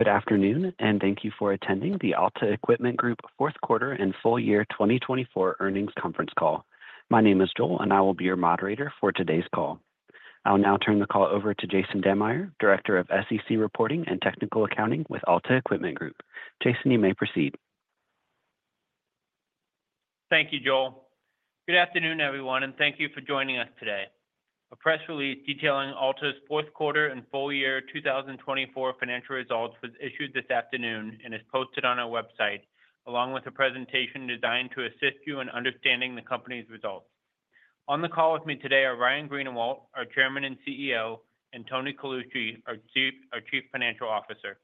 Good afternoon, and thank you for attending the Alta Equipment Group Fourth Quarter and Full Year 2024 Earnings Conference Call. My name is Joel, and I will be your moderator for today's call. I'll now turn the call over to Jason Dammeyer, Director of SEC Reporting and Technical Accounting with Alta Equipment Group. Jason, you may proceed. Thank you, Joel. Good afternoon, everyone, and thank you for joining us today. A press release detailing Alta's fourth quarter and full year 2024 financial results was issued this afternoon and is posted on our website, along with a presentation designed to assist you in understanding the company's results. On the call with me today are Ryan Greenawalt, our Chairman and CEO, and Tony Colucci, our CFO.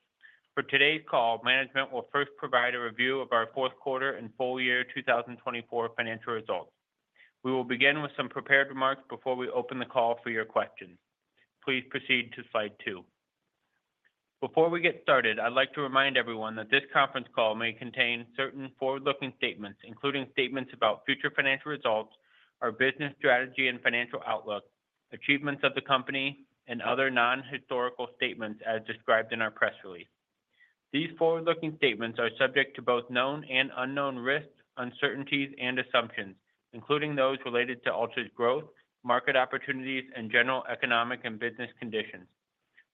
For today's call, management will first provide a review of our fourth quarter and full year 2024 financial results. We will begin with some prepared remarks before we open the call for your questions. Please proceed to Slide two. Before we get started, I'd like to remind everyone that this conference call may contain certain forward-looking statements, including statements about future financial results, our business strategy and financial outlook, achievements of the company, and other non-historical statements as described in our press release. These forward-looking statements are subject to both known and unknown risks, uncertainties, and assumptions, including those related to Alta's growth, market opportunities, and general economic and business conditions.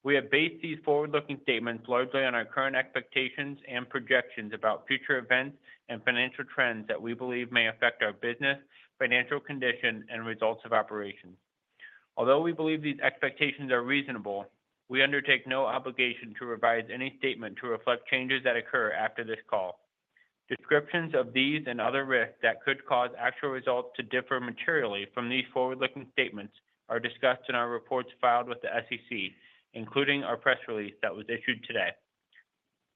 We have based these forward-looking statements largely on our current expectations and projections about future events and financial trends that we believe may affect our business, financial condition, and results of operations. Although we believe these expectations are reasonable, we undertake no obligation to revise any statement to reflect changes that occur after this call. Descriptions of these and other risks that could cause actual results to differ materially from these forward-looking statements are discussed in our reports filed with the SEC, including our press release that was issued today.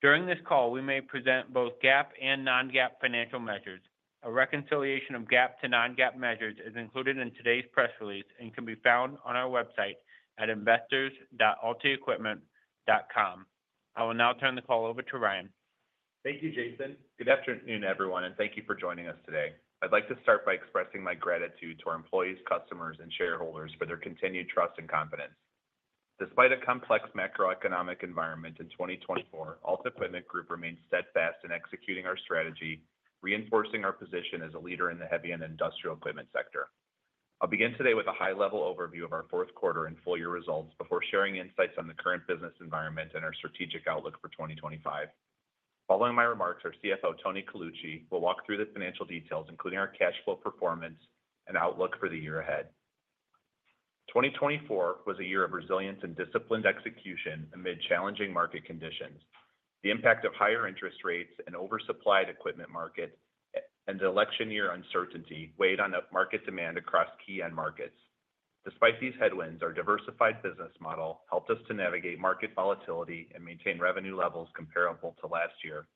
During this call, we may present both GAAP and non-GAAP financial measures. A reconciliation of GAAP to non-GAAP measures is included in today's press release and can be found on our website at investors.altaequipment.com. I will now turn the call over to Ryan. Thank you, Jason. Good afternoon, everyone, and thank you for joining us today. I'd like to start by expressing my gratitude to our employees, customers, and shareholders for their continued trust and confidence. Despite a complex macroeconomic environment in 2024, Alta Equipment Group remains steadfast in executing our strategy, reinforcing our position as a leader in the heavy and industrial equipment sector. I'll begin today with a high-level overview of our fourth quarter and full year results before sharing insights on the current business environment and our strategic outlook for 2025. Following my remarks, our CFO, Tony Colucci, will walk through the financial details, including our cash flow performance and outlook for the year ahead. 2024 was a year of resilience and disciplined execution amid challenging market conditions. The impact of higher interest rates and oversupplied equipment market and election-year uncertainty weighed on market demand across key end markets. Despite these headwinds, our diversified business model helped us to navigate market volatility and maintain revenue levels comparable to last year.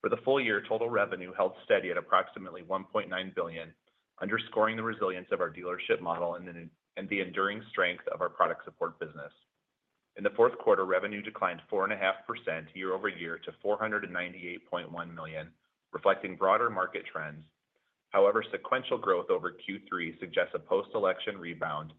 For the full year, total revenue held steady at approximately $1.9 billion, underscoring the resilience of our dealership model and the enduring strength of our product support business. In the fourth quarter, revenue declined 4.5% year-over-year to $498.1 million, reflecting broader market trends. However, sequential growth over Q3 suggests a post-election rebound.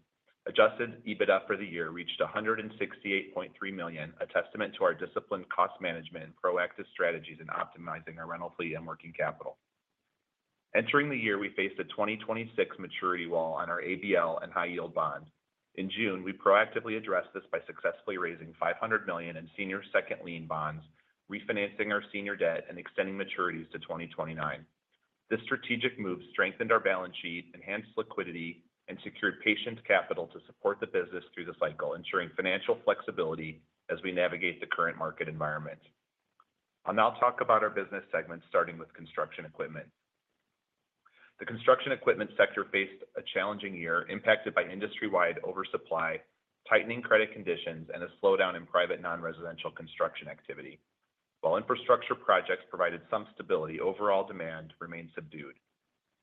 Adjusted EBITDA for the year reached $168.3 million, a testament to our disciplined cost management and proactive strategies in optimizing our rental fleet and working capital. Entering the year, we faced a 2026 maturity wall on our ABL and high-yield bonds. In June, we proactively addressed this by successfully raising $500 million in senior second lien bonds, refinancing our senior debt, and extending maturities to 2029. This strategic move strengthened our balance sheet, enhanced liquidity, and secured patient capital to support the business through the cycle, ensuring financial flexibility as we navigate the current market environment. I'll now talk about our business segment, starting with construction equipment. The construction equipment sector faced a challenging year impacted by industry-wide oversupply, tightening credit conditions, and a slowdown in private non-residential construction activity. While infrastructure projects provided some stability, overall demand remained subdued.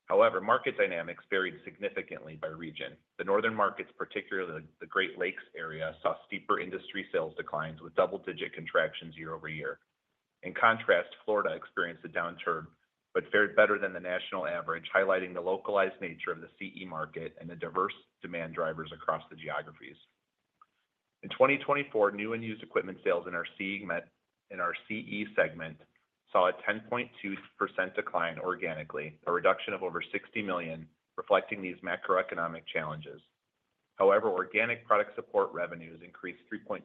However, market dynamics varied significantly by region. The northern markets, particularly the Great Lakes area, saw steeper industry sales declines with double-digit contractions year-over-year. In contrast, Florida experienced a downturn but fared better than the national average, highlighting the localized nature of the CE market and the diverse demand drivers across the geographies. In 2024, new and used equipment sales in our CE segment saw a 10.2% decline organically, a reduction of over $60 million, reflecting these macroeconomic challenges. However, organic product support revenues increased 3.7%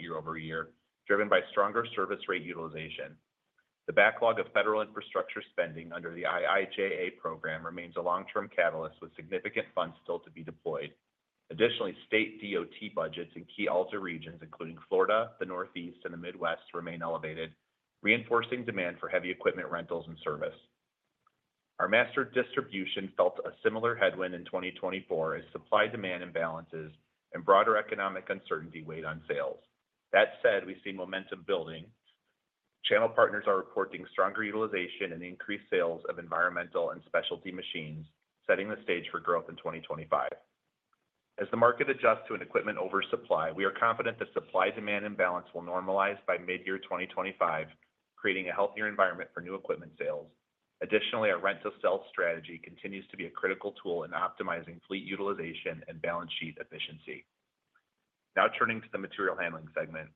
year-over-year, driven by stronger service rate utilization. The backlog of federal infrastructure spending under the IIJA program remains a long-term catalyst, with significant funds still to be deployed. Additionally, state DOT budgets in key Alta regions, including Florida, the Northeast, and the Midwest, remain elevated, reinforcing demand for heavy equipment rentals and service. Our master distribution felt a similar headwind in 2024, as supply-demand imbalances and broader economic uncertainty weighed on sales. That said, we see momentum building. Channel partners are reporting stronger utilization and increased sales of environmental and specialty machines, setting the stage for growth in 2025. As the market adjusts to an equipment oversupply, we are confident that supply-demand imbalance will normalize by mid-year 2025, creating a healthier environment for new equipment sales. Additionally, our rent-to-sell strategy continues to be a critical tool in optimizing fleet utilization and balance sheet efficiency. Now turning to the material handling segment.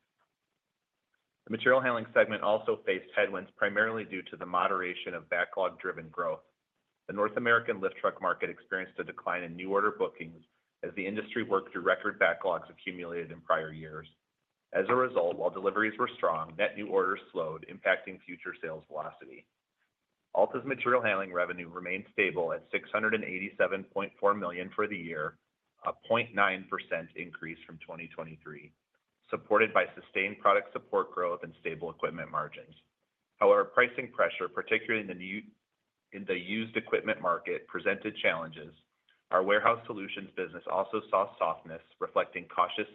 The material handling segment also faced headwinds primarily due to the moderation of backlog-driven growth. The North American lift truck market experienced a decline in new order bookings as the industry worked through record backlogs accumulated in prior years. As a result, while deliveries were strong, net new orders slowed, impacting future sales velocity. Alta's material handling revenue remained stable at $687.4 million for the year, a 0.9% increase from 2023, supported by sustained product support growth and stable equipment margins. However, pricing pressure, particularly in the used equipment market, presented challenges. Our warehouse solutions business also saw softness, reflecting cautious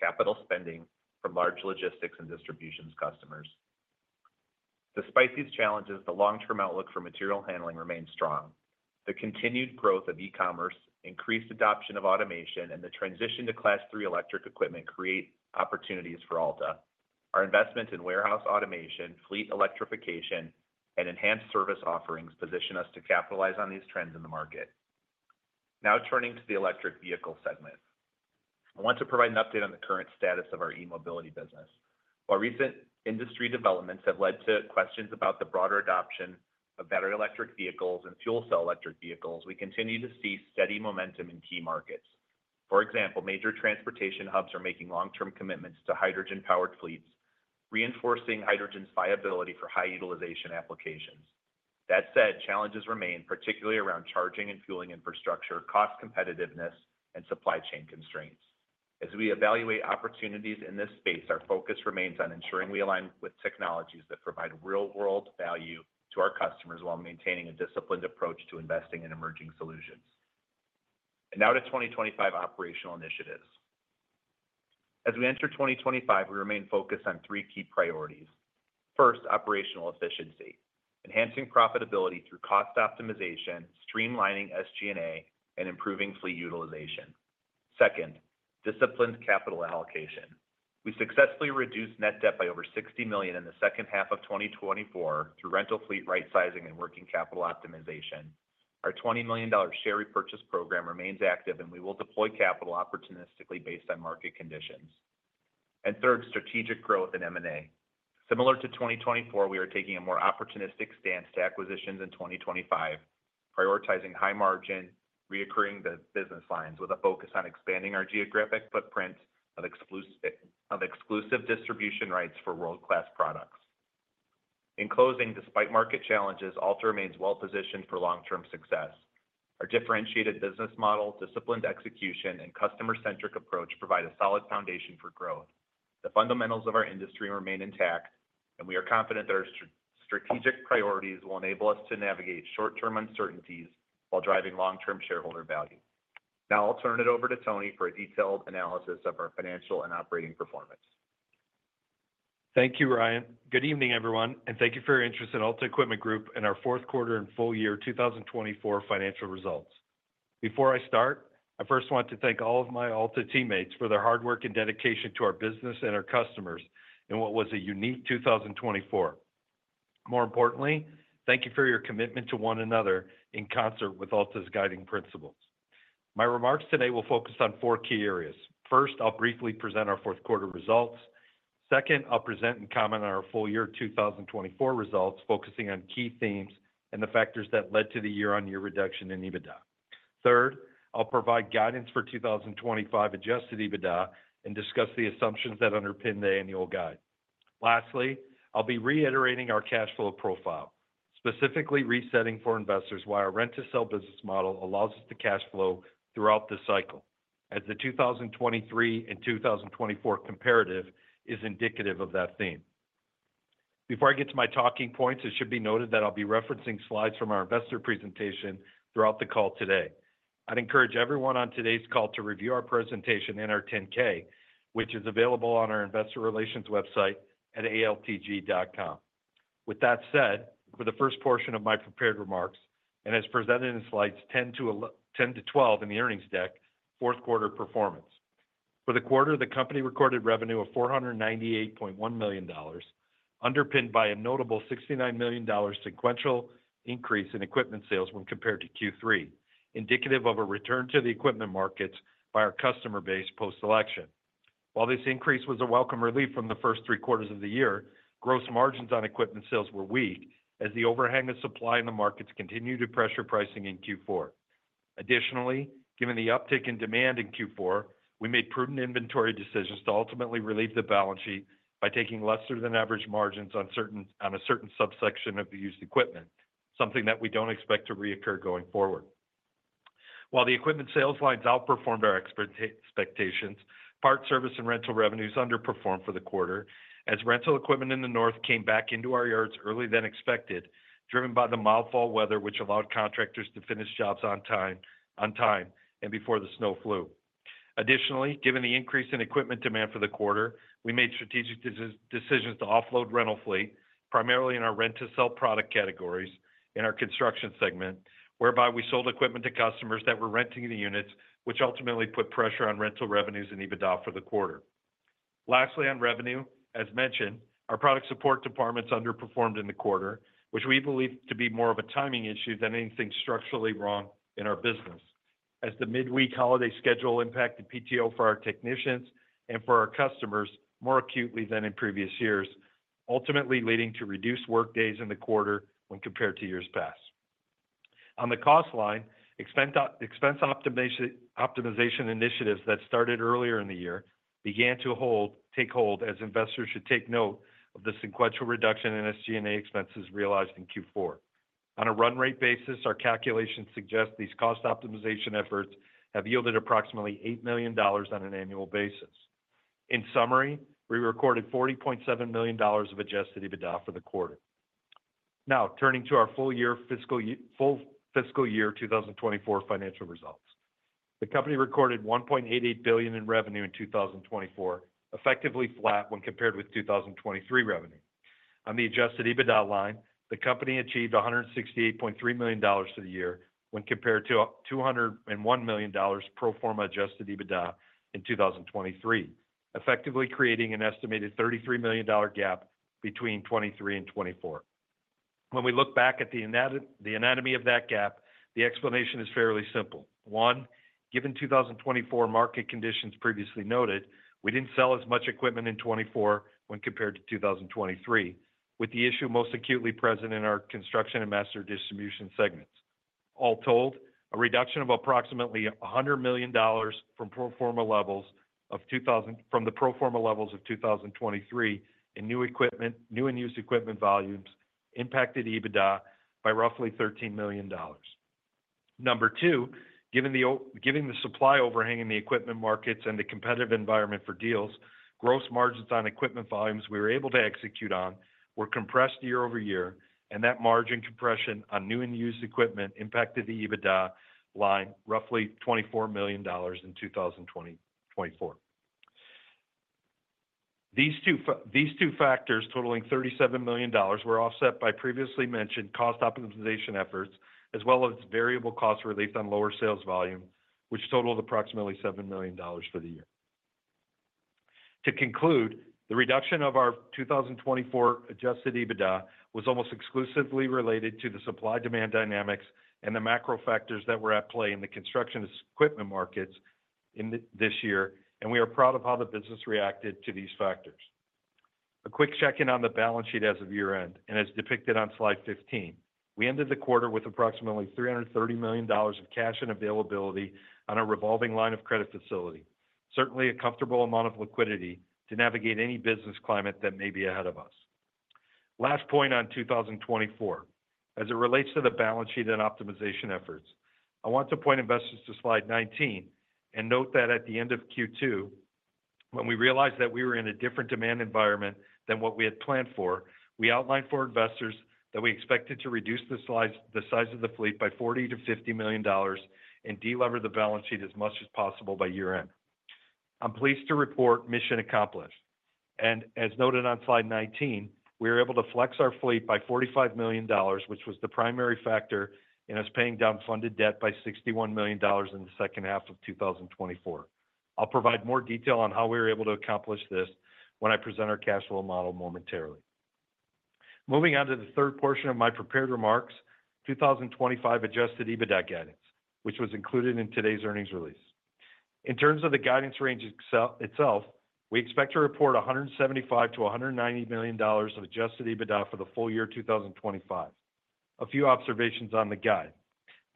capital spending from large logistics and distributions customers. Despite these challenges, the long-term outlook for material handling remained strong. The continued growth of e-commerce, increased adoption of automation, and the transition to Class III electric equipment create opportunities for Alta. Our investment in warehouse automation, fleet electrification, and enhanced service offerings position us to capitalize on these trends in the market. Now turning to the electric vehicle segment, I want to provide an update on the current status of our e-mobility business. While recent industry developments have led to questions about the broader adoption of battery electric vehicles and fuel-cell electric vehicles, we continue to see steady momentum in key markets. For example, major transportation hubs are making long-term commitments to hydrogen-powered fleets, reinforcing hydrogen's viability for high-utilization applications. That said, challenges remain, particularly around charging and fueling infrastructure, cost competitiveness, and supply chain constraints. As we evaluate opportunities in this space, our focus remains on ensuring we align with technologies that provide real-world value to our customers while maintaining a disciplined approach to investing in emerging solutions. To 2025 operational initiatives. As we enter 2025, we remain focused on three key priorities. First, operational efficiency, enhancing profitability through cost optimization, streamlining SG&A, and improving fleet utilization. Second, disciplined capital allocation. We successfully reduced net debt by over $60 million in the second half of 2024 through rental fleet rightsizing and working capital optimization. Our $20 million share repurchase program remains active, and we will deploy capital opportunistically based on market conditions. Third, strategic growth and M&A. Similar to 2024, we are taking a more opportunistic stance to acquisitions in 2025, prioritizing high-margin, recurring business lines with a focus on expanding our geographic footprint of exclusive distribution rights for world-class products. In closing, despite market challenges, Alta remains well-positioned for long-term success. Our differentiated business model, disciplined execution, and customer-centric approach provide a solid foundation for growth. The fundamentals of our industry remain intact, and we are confident that our strategic priorities will enable us to navigate short-term uncertainties while driving long-term shareholder value. Now I'll turn it over to Tony for a detailed analysis of our financial and operating performance. Thank you, Ryan. Good evening, everyone, and thank you for your interest in Alta Equipment Group and our fourth quarter and full year 2024 financial results. Before I start, I first want to thank all of my Alta teammates for their hard work and dedication to our business and our customers in what was a unique 2024. More importantly, thank you for your commitment to one another in concert with Alta's guiding principles. My remarks today will focus on four key areas. First, I'll briefly present our fourth quarter results. Second, I'll present and comment on our full year 2024 results, focusing on key themes and the factors that led to the year-on-year reduction in EBITDA. Third, I'll provide guidance for 2025 adjusted EBITDA and discuss the assumptions that underpin the annual guide. Lastly, I'll be reiterating our cash flow profile, specifically resetting for investors why our rent-to-sell business model allows us to cash flow throughout the cycle, as the 2023 and 2024 comparative is indicative of that theme. Before I get to my talking points, it should be noted that I'll be referencing slides from our investor presentation throughout the call today. I'd encourage everyone on today's call to review our presentation and our 10-K, which is available on our investor relations website at altg.com. With that said, for the first portion of my prepared remarks, and as presented in Slides 10-12 in the earnings deck, fourth quarter performance. For the quarter, the company recorded revenue of $498.1 million, underpinned by a notable $69 million sequential increase in equipment sales when compared to Q3, indicative of a return to the equipment markets by our customer base post-election. While this increase was a welcome relief from the first three quarters of the year, gross margins on equipment sales were weak as the overhang of supply in the markets continued to pressure pricing in Q4. Additionally, given the uptick in demand in Q4, we made prudent inventory decisions to ultimately relieve the balance sheet by taking lesser-than-average margins on a certain subsection of the used equipment, something that we do not expect to reoccur going forward. While the equipment sales lines outperformed our expectations, parts, service, and rental revenues underperformed for the quarter as rental equipment in the north came back into our yards earlier than expected, driven by the mild fall weather, which allowed contractors to finish jobs on time and before the snow flew. Additionally, given the increase in equipment demand for the quarter, we made strategic decisions to offload rental fleet, primarily in our rent-to-sell product categories in our construction segment, whereby we sold equipment to customers that were renting the units, which ultimately put pressure on rental revenues and EBITDA for the quarter. Lastly, on revenue, as mentioned, our product support departments underperformed in the quarter, which we believe to be more of a timing issue than anything structurally wrong in our business, as the midweek holiday schedule impacted PTO for our technicians and for our customers more acutely than in previous years, ultimately leading to reduced workdays in the quarter when compared to years past. On the cost line, expense optimization initiatives that started earlier in the year began to take hold, as investors should take note of the sequential reduction in SG&A expenses realized in Q4. On a run rate basis, our calculations suggest these cost optimization efforts have yielded approximately $8 million on an annual basis. In summary, we recorded $40.7 million of adjusted EBITDA for the quarter. Now turning to our full year 2024 financial results. The company recorded $1.88 billion in revenue in 2024, effectively flat when compared with 2023 revenue. On the adjusted EBITDA line, the company achieved $168.3 million for the year when compared to $201 million pro forma adjusted EBITDA in 2023, effectively creating an estimated $33 million gap between 2023 and 2024. When we look back at the anatomy of that gap, the explanation is fairly simple. One, given 2024 market conditions previously noted, we didn't sell as much equipment in 2024 when compared to 2023, with the issue most acutely present in our construction and master distribution segments. All told, a reduction of approximately $100 million from the pro forma levels of 2023 in new and used equipment volumes impacted EBITDA by roughly $13 million. Number two, given the supply overhang in the equipment markets and the competitive environment for deals, gross margins on equipment volumes we were able to execute on were compressed year over year, and that margin compression on new and used equipment impacted the EBITDA line roughly $24 million in 2024. These two factors, totaling $37 million, were offset by previously mentioned cost optimization efforts, as well as variable cost relief on lower sales volume, which totaled approximately $7 million for the year. To conclude, the reduction of our 2024 adjusted EBITDA was almost exclusively related to the supply-demand dynamics and the macro factors that were at play in the construction equipment markets this year, and we are proud of how the business reacted to these factors. A quick check-in on the balance sheet as of year-end, and as depicted on Slide 15, we ended the quarter with approximately $330 million of cash and availability on a revolving line of credit facility, certainly a comfortable amount of liquidity to navigate any business climate that may be ahead of us. Last point on 2024, as it relates to the balance sheet and optimization efforts, I want to point investors to Slide 19 and note that at the end of Q2, when we realized that we were in a different demand environment than what we had planned for, we outlined for investors that we expected to reduce the size of the fleet by $40 million-$50 million and delever the balance sheet as much as possible by year-end. I'm pleased to report mission accomplished. As noted on Slide 19, we were able to flex our fleet by $45 million, which was the primary factor in us paying down funded debt by $61 million in the second half of 2024. I'll provide more detail on how we were able to accomplish this when I present our cash flow model momentarily. Moving on to the third portion of my prepared remarks, 2025 adjusted EBITDA guidance, which was included in today's earnings release. In terms of the guidance range itself, we expect to report $175 million-$190 million of adjusted EBITDA for the full year 2025. A few observations on the guide,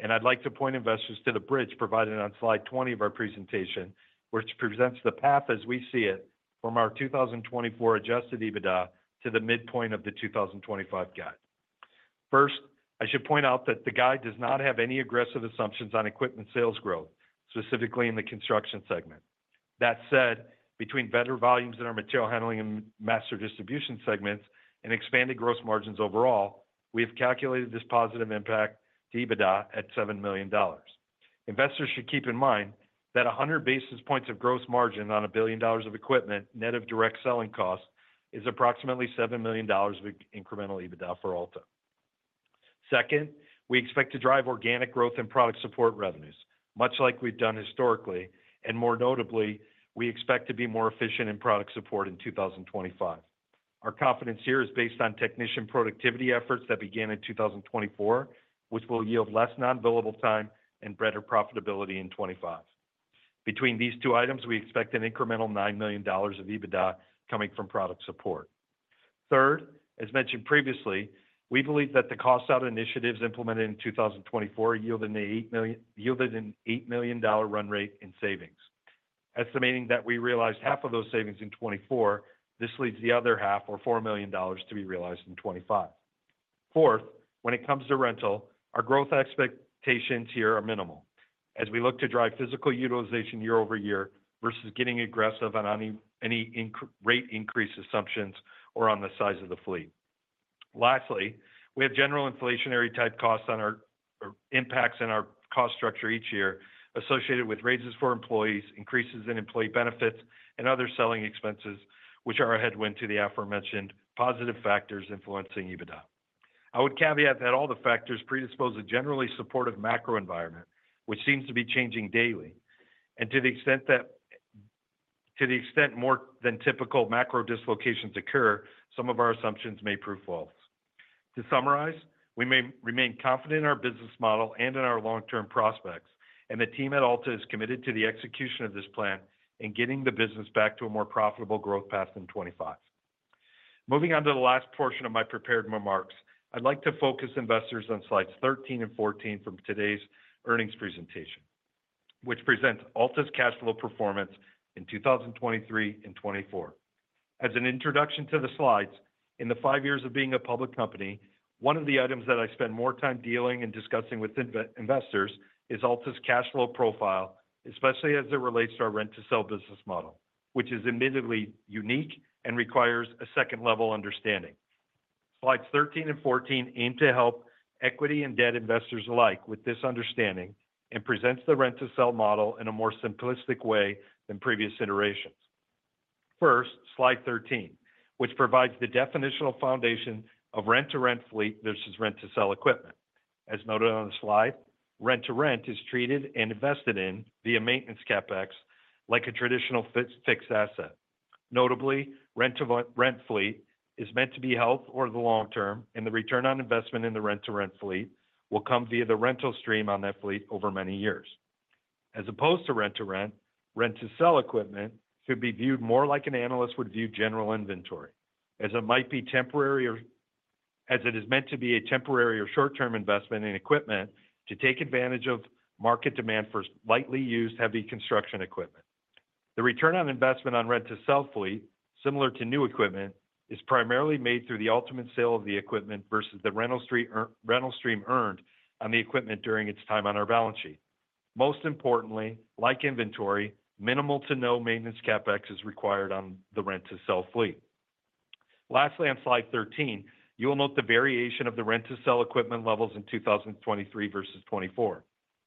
and I'd like to point investors to the bridge provided on Slide 20 of our presentation, which presents the path as we see it from our 2024 adjusted EBITDA to the midpoint of the 2025 guide. First, I should point out that the guide does not have any aggressive assumptions on equipment sales growth, specifically in the construction segment. That said, between better volumes in our material handling and master distribution segments and expanded gross margins overall, we have calculated this positive impact to EBITDA at $7 million. Investors should keep in mind that 100 basis points of gross margin on a billion dollars of equipment net of direct selling costs is approximately $7 million of incremental EBITDA for Alta. Second, we expect to drive organic growth in product support revenues, much like we've done historically, and more notably, we expect to be more efficient in product support in 2025. Our confidence here is based on technician productivity efforts that began in 2024, which will yield less non-billable time and better profitability in 2025. Between these two items, we expect an incremental $9 million of EBITDA coming from product support. Third, as mentioned previously, we believe that the cost-out initiatives implemented in 2024 yielded an $8 million run rate in savings. Estimating that we realized half of those savings in 2024, this leaves the other half, or $4 million, to be realized in 2025. Fourth, when it comes to rental, our growth expectations here are minimal, as we look to drive physical utilization year over year versus getting aggressive on any rate increase assumptions or on the size of the fleet. Lastly, we have general inflationary-type cost impacts in our cost structure each year associated with raises for employees, increases in employee benefits, and other selling expenses, which are a headwind to the aforementioned positive factors influencing EBITDA. I would caveat that all the factors predispose a generally supportive macro environment, which seems to be changing daily. To the extent more than typical macro dislocations occur, some of our assumptions may prove false. To summarize, we remain confident in our business model and in our long-term prospects, and the team at Alta is committed to the execution of this plan and getting the business back to a more profitable growth path in 2025. Moving on to the last portion of my prepared remarks, I'd like to focus investors on Slides 13 and Slide 14 from today's earnings presentation, which presents Alta's cash flow performance in 2023 and 2024. As an introduction to the slides, in the five years of being a public company, one of the items that I spend more time dealing and discussing with investors is Alta's cash flow profile, especially as it relates to our rent-to-sell business model, which is admittedly unique and requires a second-level understanding. Slides 13 and Slide 14 aim to help equity and debt investors alike with this understanding and present the rent-to-sell model in a more simplistic way than previous iterations. First, Slide 13, which provides the definitional foundation of rent-to-rent fleet versus rent-to-sell equipment. As noted on the slide, rent-to-rent is treated and invested in via maintenance CapEx like a traditional fixed asset. Notably, rent-to-rent fleet is meant to be held for the long term, and the return on investment in the rent-to-rent fleet will come via the rental stream on that fleet over many years. As opposed to rent-to-rent, rent-to-sell equipment should be viewed more like an analyst would view general inventory, as it might be temporary, as it is meant to be a temporary or short-term investment in equipment to take advantage of market demand for lightly used heavy construction equipment. The return on investment on rent-to-sell fleet, similar to new equipment, is primarily made through the ultimate sale of the equipment versus the rental stream earned on the equipment during its time on our balance sheet. Most importantly, like inventory, minimal to no maintenance CapEx is required on the rent-to-sell fleet. Lastly, on Slide 13, you will note the variation of the rent-to-sell equipment levels in 2023 versus 2024.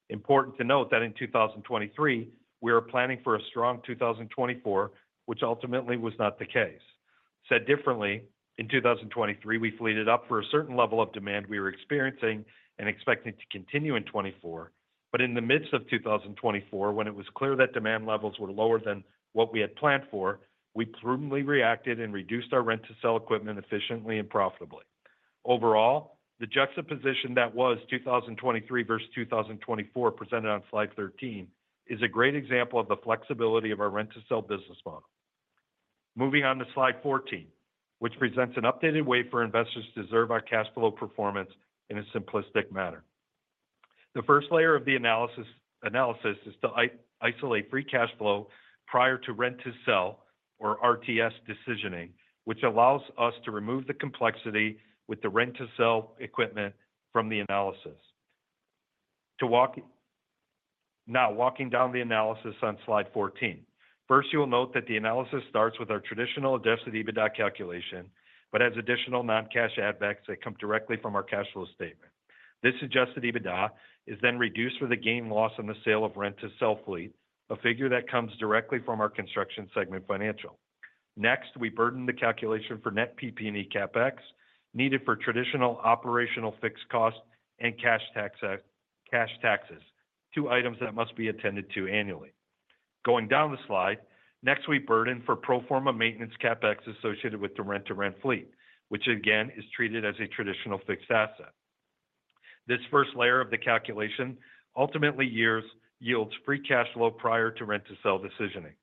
Important to note that in 2023, we were planning for a strong 2024, which ultimately was not the case. Said differently, in 2023, we fleeted up for a certain level of demand we were experiencing and expecting to continue in 2024, but in the midst of 2024, when it was clear that demand levels were lower than what we had planned for, we prudently reacted and reduced our rent-to-sell equipment efficiently and profitably. Overall, the juxtaposition that was 2023 versus 2024 presented on Slide 13 is a great example of the flexibility of our rent-to-sell business model. Moving on to Slide 14, which presents an updated way for investors to observe our cash flow performance in a simplistic manner. The first layer of the analysis is to isolate free cash flow prior to rent-to-sell, or RTS, decisioning, which allows us to remove the complexity with the rent-to-sell equipment from the analysis. Now walking down the analysis on Slide 14, first, you will note that the analysis starts with our traditional adjusted EBITDA calculation, but has additional non-cash addbacks that come directly from our cash flow statement. This adjusted EBITDA is then reduced for the gain/loss on the sale of rent-to-sell fleet, a figure that comes directly from our construction segment financial. Next, we burden the calculation for net PP&E CapEx needed for traditional operational fixed costs and cash taxes, two items that must be attended to annually. Going down the slide, next we burden for pro forma maintenance CapEx associated with the rent-to-rent fleet, which again is treated as a traditional fixed asset. This first layer of the calculation ultimately yields free cash flow prior to rent-to-sell decisioning.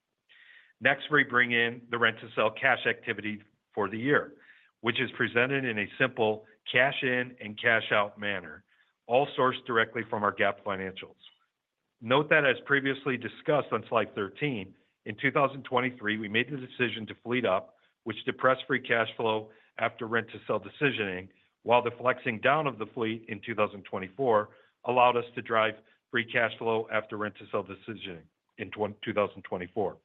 Next, we bring in the rent-to-sell cash activity for the year, which is presented in a simple cash-in and cash-out manner, all sourced directly from our GAAP financials. Note that, as previously discussed on Slide 13, in 2023, we made the decision to fleet up, which depressed free cash flow after rent-to-sell decisioning, while the flexing down of the fleet in 2024 allowed us to drive free cash flow after rent-to-sell decisioning in 2024.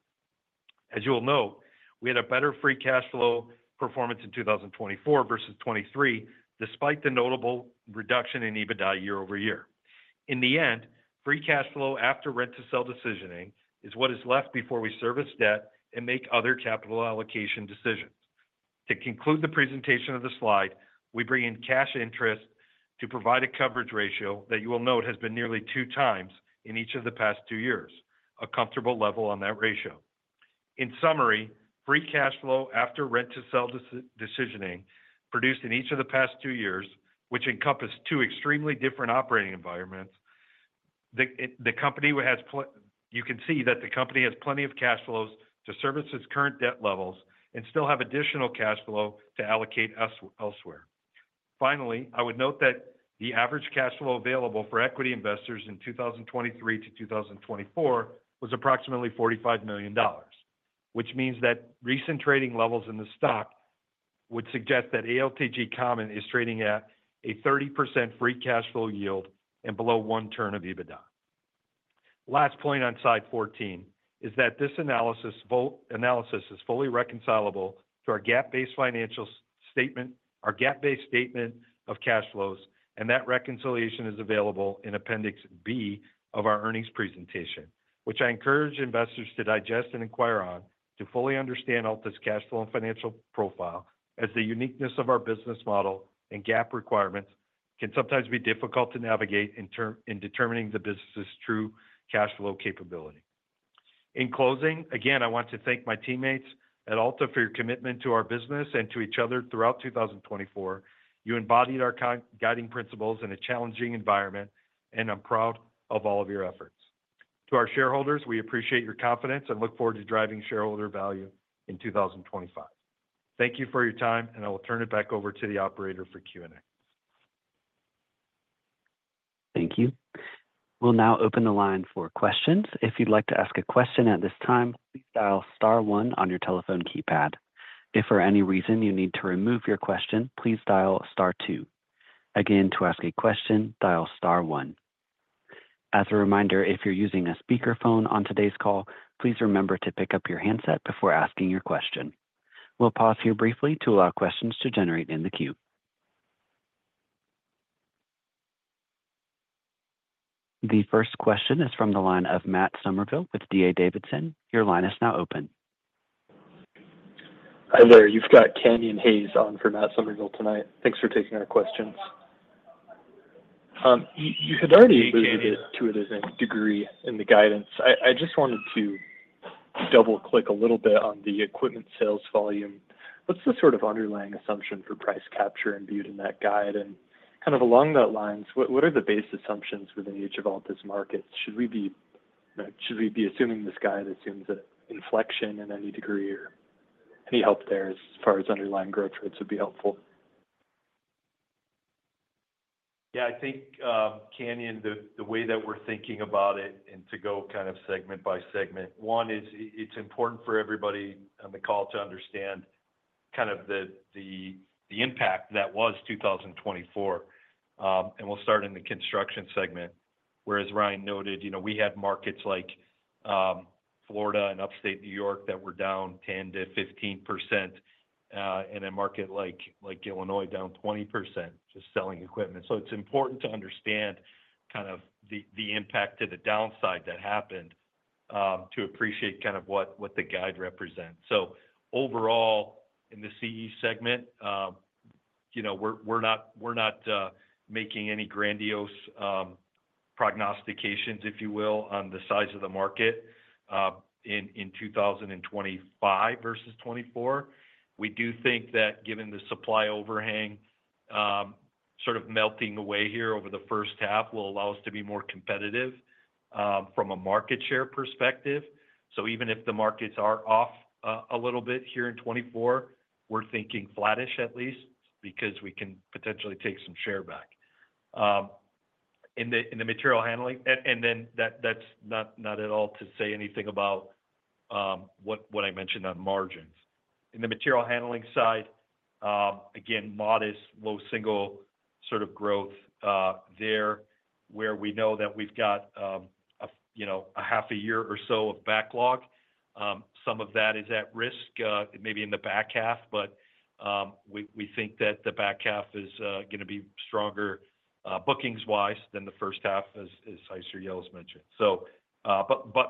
As you will note, we had a better free cash flow performance in 2024 versus 2023, despite the notable reduction in EBITDA year over year. In the end, free cash flow after rent-to-sell decisioning is what is left before we service debt and make other capital allocation decisions. To conclude the presentation of the slide, we bring in cash interest to provide a coverage ratio that you will note has been nearly two times in each of the past two years, a comfortable level on that ratio. In summary, free cash flow after rent-to-sell decisioning produced in each of the past two years, which encompassed two extremely different operating environments, you can see that the company has plenty of cash flows to service its current debt levels and still have additional cash flow to allocate elsewhere. Finally, I would note that the average cash flow available for equity investors in 2023 to 2024 was approximately $45 million, which means that recent trading levels in the stock would suggest that ALTG Common is trading at a 30% free cash flow yield and below one turn of EBITDA. Last point on Slide 14 is that this analysis is fully reconcilable to our GAAP-based financial statement, our GAAP-based statement of cash flows, and that reconciliation is available in Appendix B of our earnings presentation, which I encourage investors to digest and inquire on to fully understand Alta's cash flow and financial profile, as the uniqueness of our business model and GAAP requirements can sometimes be difficult to navigate in determining the business's true cash flow capability. In closing, again, I want to thank my teammates at Alta for your commitment to our business and to each other throughout 2024. You embodied our guiding principles in a challenging environment, and I'm proud of all of your efforts. To our shareholders, we appreciate your confidence and look forward to driving shareholder value in 2025. Thank you for your time, and I will turn it back over to the operator for Q&A. Thank you. We'll now open the line for questions. If you'd like to ask a question at this time, please dial star one on your telephone keypad. If for any reason you need to remove your question, please dial star two. Again, to ask a question, dial star one. As a reminder, if you're using a speakerphone on today's call, please remember to pick up your handset before asking your question. We'll pause here briefly to allow questions to generate in the queue. The first question is from the line of Matt Summerville with D.A. Davidson. Your line is now open. Hi there. You've got Canyon Hayes on for Matt Summerville tonight. Thanks for taking our questions. You had already alluded to it in a degree in the guidance. I just wanted to double-click a little bit on the equipment sales volume. What's the sort of underlying assumption for price capture imbued in that guide? And kind of along those lines, what are the base assumptions within each of Alta's markets? Should we be assuming this guide assumes inflection in any degree? Any help there as far as underlying growth rates would be helpful? Yeah, I think Canyon, the way that we're thinking about it and to go kind of segment by segment, one is it's important for everybody on the call to understand kind of the impact that was 2024. We'll start in the construction segment, whereas Ryan noted we had markets like Florida and Upstate New York that were down 10%-15%, and a market like Illinois down 20% just selling equipment. It's important to understand kind of the impact to the downside that happened to appreciate kind of what the guide represents. Overall, in the CE segment, we're not making any grandiose prognostications, if you will, on the size of the market in 2025 versus 2024. We do think that given the supply overhang sort of melting away here over the first half will allow us to be more competitive from a market share perspective. Even if the markets are off a little bit here in 2024, we're thinking flattish at least because we can potentially take some share back in the material handling. That is not at all to say anything about what I mentioned on margins. In the material handling side, again, modest, low single sort of growth there where we know that we have got a half a year or so of backlog. Some of that is at risk, maybe in the back half, but we think that the back half is going to be stronger bookings-wise than the first half, as Ryan mentioned.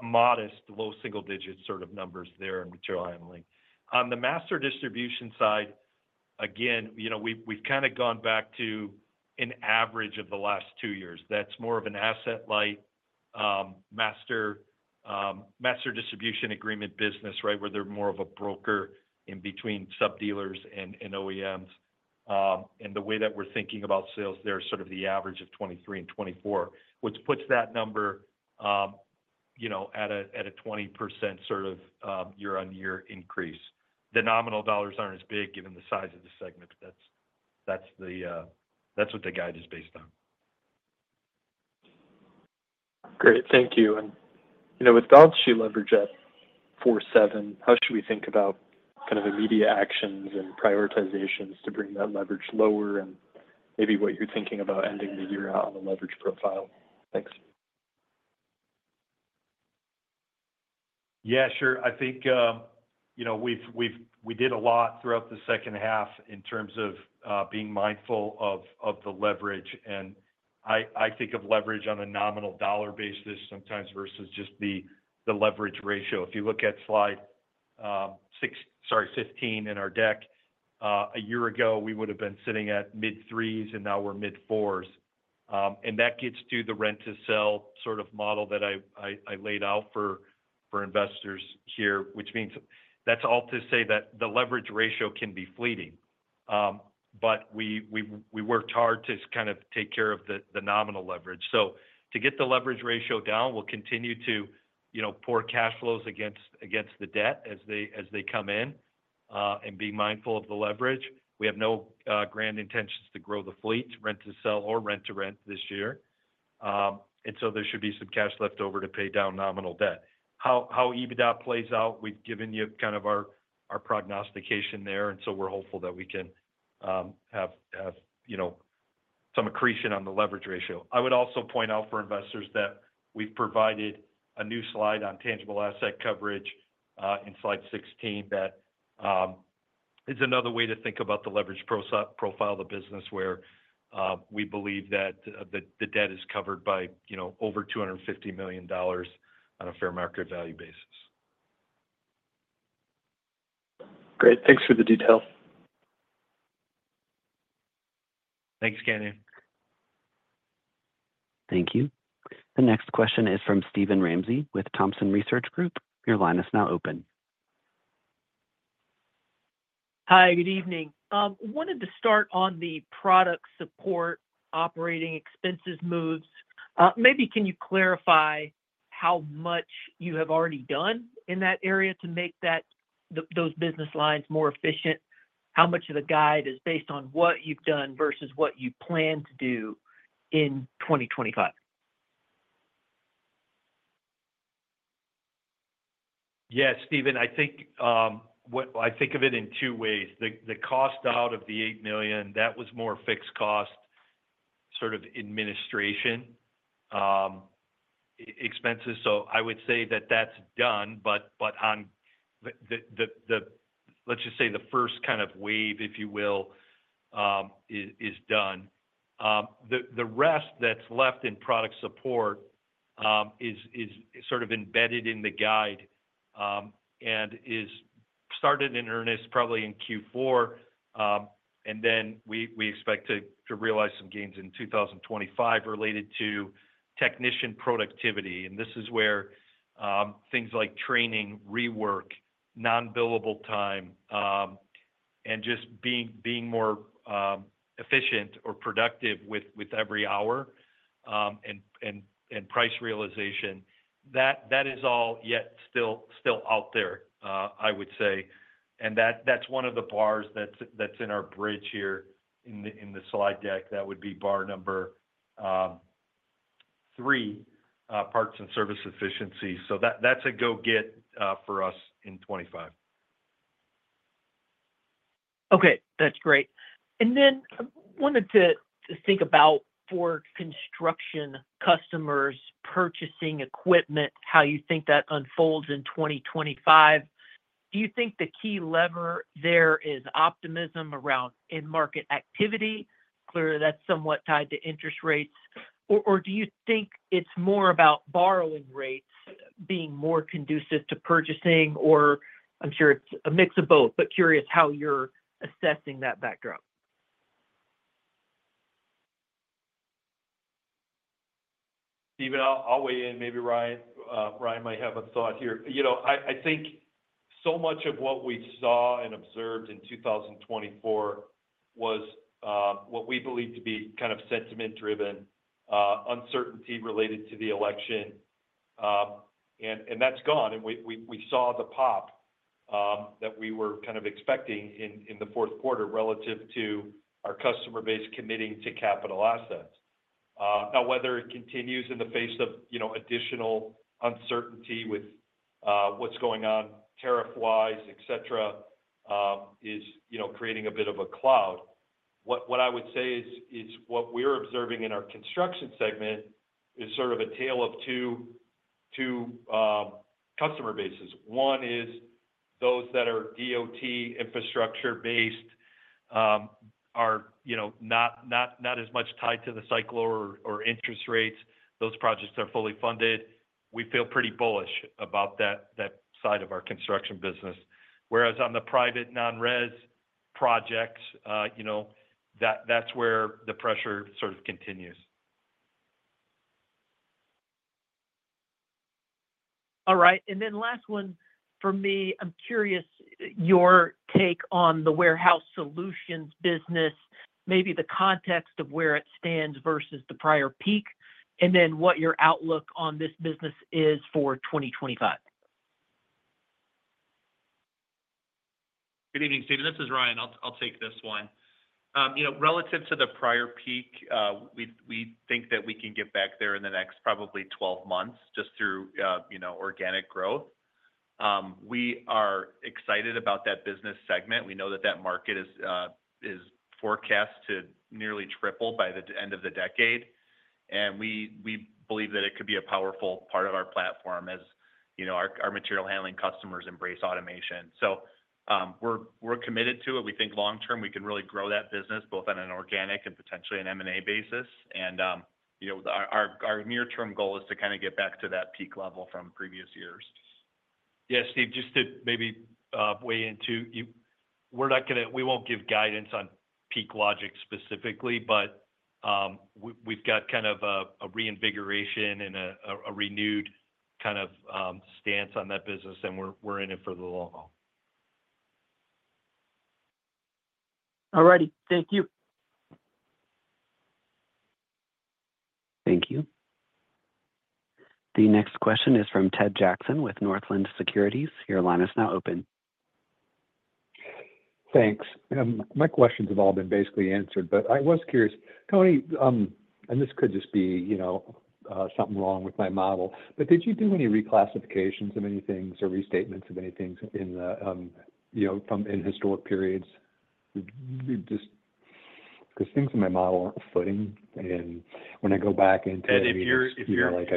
Modest, low single-digit sort of numbers there in material handling. On the master distribution side, again, we have kind of gone back to an average of the last two years. That is more of an asset-light master distribution agreement business, right, where they are more of a broker in between sub-dealers and OEMs. The way that we're thinking about sales there is sort of the average of 2023 and 2024, which puts that number at a 20% sort of year-on-year increase. The nominal dollars are not as big given the size of the segment. That is what the guide is based on. Great. Thank you. With Alta leverage at 4.7, how should we think about kind of immediate actions and prioritizations to bring that leverage lower and maybe what you are thinking about ending the year out on the leverage profile? Thanks. Yeah, sure. I think we did a lot throughout the second half in terms of being mindful of the leverage. I think of leverage on a nominal dollar basis sometimes versus just the leverage ratio. If you look at Slide 15 in our deck, a year ago, we would have been sitting at mid-threes, and now we are mid-fours. That gets to the rent-to-sell sort of model that I laid out for investors here, which means that's all to say that the leverage ratio can be fleeting. We worked hard to kind of take care of the nominal leverage. To get the leverage ratio down, we'll continue to pour cash flows against the debt as they come in and be mindful of the leverage. We have no grand intentions to grow the fleet, rent-to-sell, or rent-to-rent this year. There should be some cash left over to pay down nominal debt. How EBITDA plays out, we've given you kind of our prognostication there. We're hopeful that we can have some accretion on the leverage ratio. I would also point out for investors that we've provided a new slide on tangible asset coverage in Slide 16 that is another way to think about the leverage profile of the business where we believe that the debt is covered by over $250 million on a fair market value basis. Great. Thanks for the details. Thanks, Canyon. Thank you. The next question is from Steven Ramsey with Thompson Research Group. Your line is now open. Hi, good evening. Wanted to start on the product support operating expenses moves. Maybe can you clarify how much you have already done in that area to make those business lines more efficient? How much of the guide is based on what you've done versus what you plan to do in 2025? Yes, Steven. I think of it in two ways. The cost out of the $8 million, that was more fixed cost sort of administration expenses. I would say that that's done. Let's just say the first kind of wave, if you will, is done. The rest that's left in product support is sort of embedded in the guide and started in earnest probably in Q4. We expect to realize some gains in 2025 related to technician productivity. This is where things like training, rework, non-billable time, and just being more efficient or productive with every hour and price realization, that is all yet still out there, I would say. That is one of the bars that's in our bridge here in the slide deck. That would be bar number three, parts and service efficiency. That is a go-get for us in 2025. Okay. That's great. I wanted to think about for construction customers purchasing equipment, how you think that unfolds in 2025. Do you think the key lever there is optimism around in-market activity? Clearly, that's somewhat tied to interest rates. Do you think it's more about borrowing rates being more conducive to purchasing? I'm sure it's a mix of both, but curious how you're assessing that backdrop. Steven, I'll weigh in. Maybe Ryan might have a thought here. I think so much of what we saw and observed in 2024 was what we believe to be kind of sentiment-driven uncertainty related to the election. That's gone. We saw the pop that we were kind of expecting in the fourth quarter relative to our customer base committing to capital assets. Now, whether it continues in the face of additional uncertainty with what's going on tariff-wise, etc., is creating a bit of a cloud. What I would say is what we're observing in our construction segment is sort of a tale of two customer bases. One is those that are DOT infrastructure-based, are not as much tied to the cycle or interest rates. Those projects are fully funded. We feel pretty bullish about that side of our construction business. Whereas on the private non-res projects, that's where the pressure sort of continues. All right. And then last one for me, I'm curious your take on the warehouse solutions business, maybe the context of where it stands versus the prior peak, and then what your outlook on this business is for 2025. Good evening, Steven. This is Ryan. I'll take this one. Relative to the prior peak, we think that we can get back there in the next probably 12 months just through organic growth. We are excited about that business segment. We know that that market is forecast to nearly triple by the end of the decade. We believe that it could be a powerful part of our platform as our material handling customers embrace automation. We are committed to it. We think long-term, we can really grow that business both on an organic and potentially an M&A basis. Our near-term goal is to kind of get back to that peak level from previous years. Yeah, Steve, just to maybe weigh in too, we will not give guidance on PeakLogix specifically, but we have got kind of a reinvigoration and a renewed kind of stance on that business, and we are in it for the long haul. All righty. Thank you. Thank you. The next question is from Ted Jackson with Northland Securities. Your line is now open. Thanks. My questions have all been basically answered, but I was curious, Tony, and this could just be something wrong with my model, but did you do any reclassifications of any things or restatements of any things in historic periods? Because things in my model aren't footing. When I go back into the. If you're like.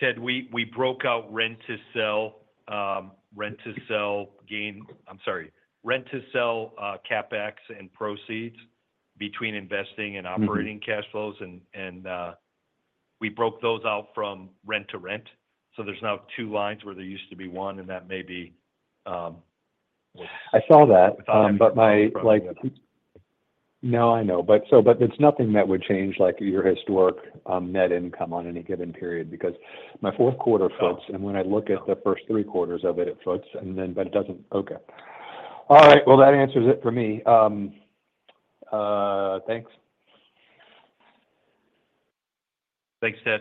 Ted, we broke out rent-to-sell, rent-to-sell gain. I'm sorry. Rent-to-sell CapEx and proceeds between investing and operating cash flows. We broke those out from rent-to-rent. There are now two lines where there used to be one, and that may be. I saw that. My. No, I know. It is nothing that would change your historic net income on any given period because my fourth quarter floats. When I look at the first three quarters of it, it floats. But it doesn't. Okay. All right. That answers it for me. Thanks. Thanks, Ted.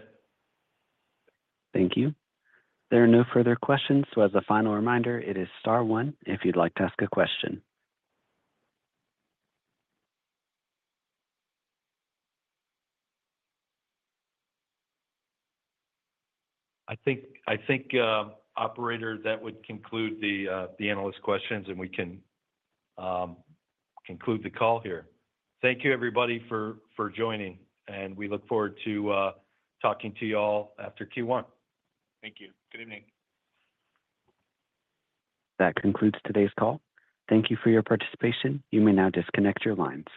Thank you. There are no further questions. As a final reminder, it is star one if you'd like to ask a question. I think, operator, that would conclude the analyst questions, and we can conclude the call here. Thank you, everybody, for joining. We look forward to talking to you all after Q1. Thank you. Good evening. That concludes today's call. Thank you for your participation. You may now disconnect your lines.